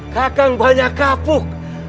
kekang banyak kabuk